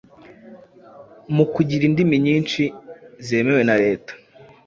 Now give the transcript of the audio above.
mu kugira indimi nyinshi zemewe na Leta